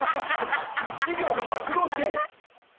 授業が待ち遠しい！